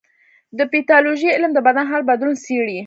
د پیتالوژي علم د بدن هر بدلون څېړي.